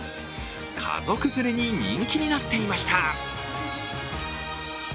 家族連れに人気になっていました。